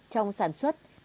trong sản xuất